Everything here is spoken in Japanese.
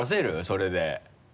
それで。